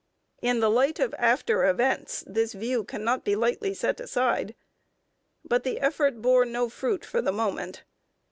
In the light of after events this view cannot be lightly set aside. But the effort bore no fruit for the moment.